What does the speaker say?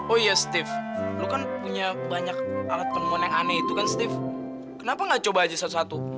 oh iya steve lu kan punya banyak alat penemuan yang aneh itu kan steve kenapa gak coba aja satu satu